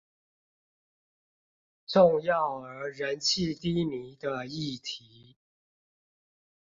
重要而人氣低迷的議題